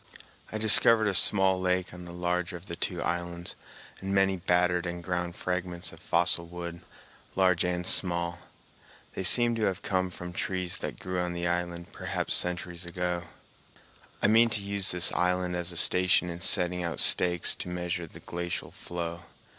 I discovered a small lake on the larger of the two islands, and many battered and ground fragments of fossil wood, large and small. They seem to have come from trees that grew on the island perhaps centuries ago. I mean to use this island as a station in setting out stakes to measure the glacial flow.